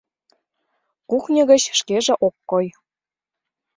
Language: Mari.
Кухньо гыч шкеже ок кой.